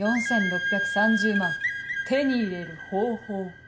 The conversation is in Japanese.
４６３０万手に入れる方法。